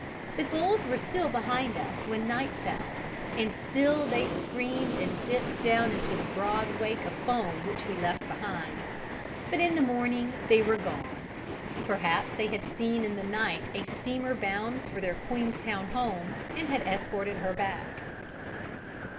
The gulls were still behind us when night fell, and still they screamed and dipped down into the broad wake of foam which we left behind; but in the morning they were gone: perhaps they had seen in the night a steamer bound for their Queenstown home and had escorted her back.